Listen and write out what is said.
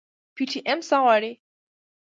پي ټي ايم څه غواړي؟